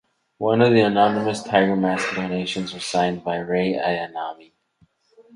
One of the anonymous "Tiger Mask" donations was signed 'Rei Ayanami'.